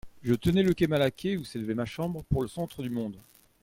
Je tenais le quai Malaquais, ou s'élevait ma chambre, pour le centre du monde.